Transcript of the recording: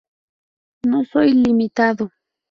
No soy limitado.